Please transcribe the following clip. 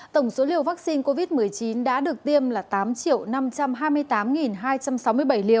tổng số liều vaccine covid một mươi chín đã được tiêm là tám năm trăm hai mươi tám hai trăm sáu mươi bảy liều